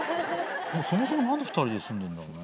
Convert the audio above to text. そもそも何で２人で住んでんだろね。